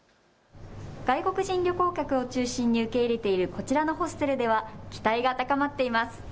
外国人旅行客を中心に受け入れているこちらのホステルでは期待が高まっています。